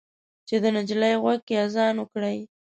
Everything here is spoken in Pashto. چې د نجلۍ غوږ کې اذان وکړئ